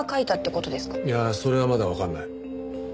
いやそれはまだわかんない。